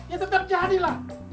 ya tetap jadilah